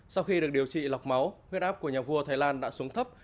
sau khi được điều trị lọc máu huyết áp của nhà vua thái lan đã xuống thấp